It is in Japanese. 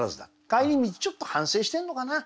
帰り道ちょっと反省してるのかな？